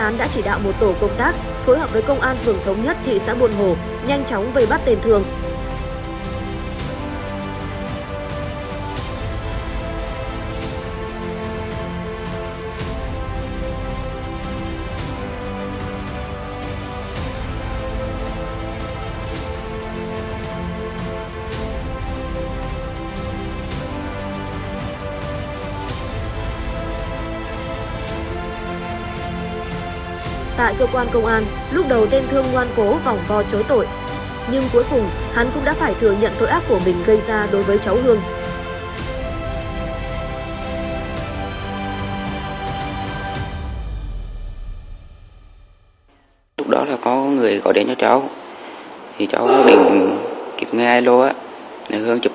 nhưng cuối cùng hắn cũng đã phải thừa nhận tội ác của mình gây ra đối với cháu hương